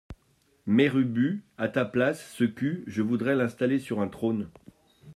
Mère Ubu A ta place, ce cul, je voudrais l’installer sur un trône.